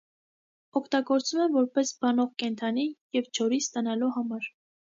Օգտագործում են որպես բանող կենդանի և ջորի ստանալու համար։